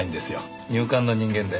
入管の人間で。